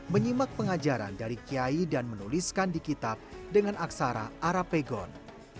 menyimak pengajaran dari kiai dan menuliskan di kitab dengan aksara arapegon